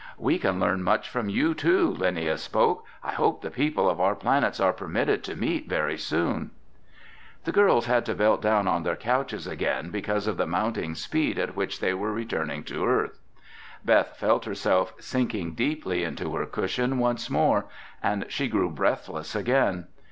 "We can learn much from you too," Linnia spoke. "I hope the people of our planets are permitted to meet very soon." The girls had to belt down on their couches again because of the mounting speed at which they were returning to earth. Beth felt herself sinking deeply into her cushion once more and she grew breathless again.